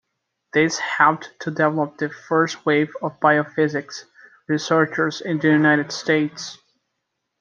This helped to develop the first wave of biophysics researchers in the United States.